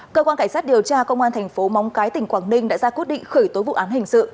cơ quan cảnh sát điều tra công an thành phố móng cái tỉnh quảng ninh đã ra quyết định khởi tố vụ án hình sự